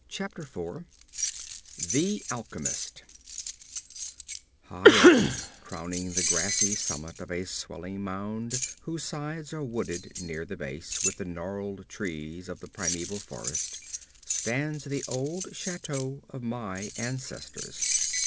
P. Lovecraft The Alchemist High up, crowning the grassy summit of a swelling mound whose sides are wooded near the base with the gnarled trees of the primeval forest, stands the old chateau of my ancestors.